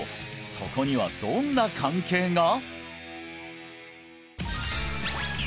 そこにはどんな関係が！？